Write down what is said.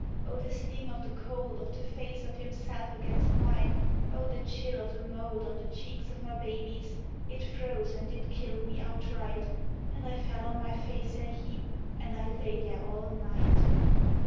Oh, the sting o' the cowld Of the face of himself against mine ! Oh, the chill o' the mould On the cheeks o' my babies, it froze an' it killed me outright An' I fell on my face in a heap, an' I lay there all night.